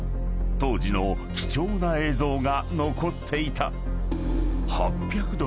［当時の貴重な映像が残っていた］